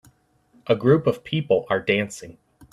A group of people are dancing.